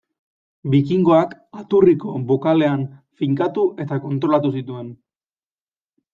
Bikingoak Aturriko bokalean finkatu eta kontrolatu zituen.